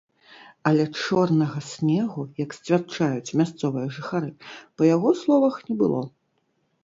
Але чорнага снегу, як сцвярджаюць мясцовыя жыхары, па яго словах, не было.